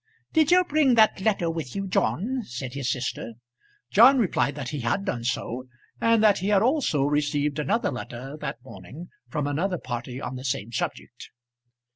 "Did you bring that letter with you, John?" said his sister. John replied that he had done so, and that he had also received another letter that morning from another party on the same subject.